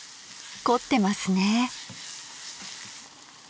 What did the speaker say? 凝ってますね。